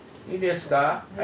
いいですか？